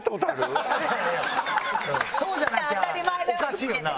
そうじゃなきゃおかしいよな。